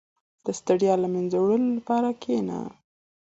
• د ستړیا له منځه وړلو لپاره کښېنه.